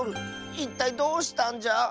いったいどうしたんじゃ⁉